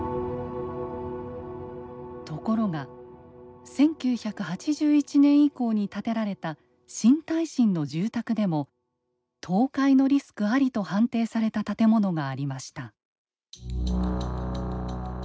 ところが１９８１年以降に建てられた新耐震の住宅でも倒壊のリスクありと判定された建物がありました。